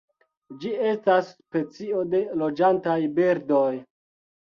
Ĝi estas specio de loĝantaj birdoj.